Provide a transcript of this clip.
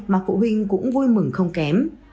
mà phụ huynh cũng vui mừng không kém